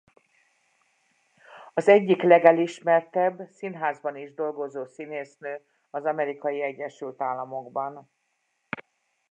Az egyik legelismertebb színházban is dolgozó színésznő az Amerikai Egyesült Államokban.